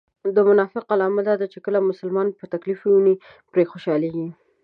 د منافق علامه دا ده چې کله مسلمان په تکليف و ويني پرې خوشحاليږي